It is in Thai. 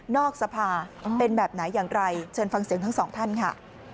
สภาเป็นแบบไหนอย่างไรเชิญฟังเสียงทั้งสองท่านค่ะ